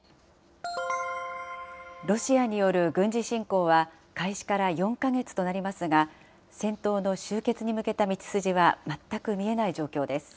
ロシアによる軍事侵攻は、開始から４か月となりますが、戦闘の終結に向けた道筋は全く見えない状況です。